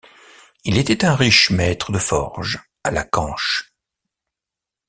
Il était un riche maître de forges à Lacanche.